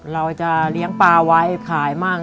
เราจะเลี้ยงปลาไว้ขายมั่ง